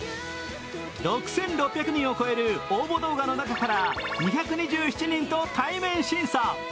６６００人を超える応募動画の中から２２７人と対面審査。